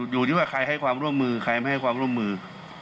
อยู่ที่ว่าใครให้ความร่วมมือใครไม่ให้ความร่วมมือ